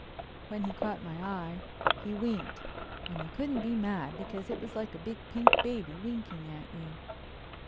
When he caught my eye he winked, and you couldn't be mad because it was like a big pink baby winking at you.